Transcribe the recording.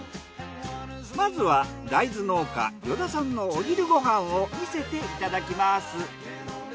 まずは大豆農家依田さんのお昼ご飯を見せていただきます。